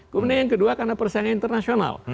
kemudian yang kedua karena persaingan internasional